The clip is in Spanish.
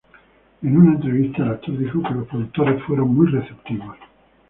En una entrevista el actor dijo que los productores fueron muy receptivos.